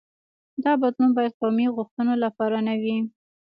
دا بدلون باید قومي غوښتنو لپاره نه وي.